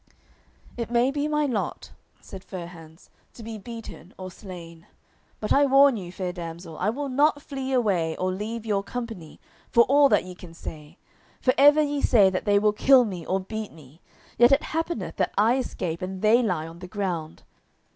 "It may be my lot," said Fair hands, "to be beaten or slain, but I warn you, fair damsel, I will not flee away or leave your company for all that ye can say, for ever ye say that they will kill me or beat me, yet it happeneth that I escape and they lie on the ground.